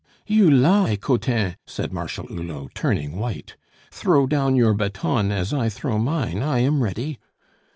"You lie, Cottin!" said Marshal Hulot, turning white. "Throw down your baton as I throw mine! I am ready."